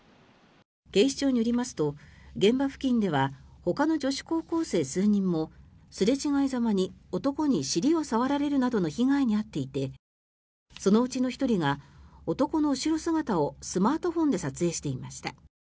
警視庁によりますと現場付近ではほかの女子高校生数人もすれ違いざまに男に尻を触られるなどの被害に遭っていてそのうちの１人が男の後ろ姿をスマートフォンで撮影していました。